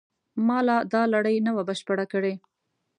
ما لا دا لړۍ نه وه بشپړه کړې.